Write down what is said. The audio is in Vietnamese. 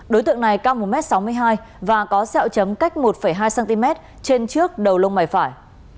đối tượng này cao một m sáu mươi hai và có xeo chấm cách một hai cm trên trước đầu lông mày phải